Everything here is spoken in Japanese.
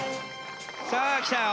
さあきたよ。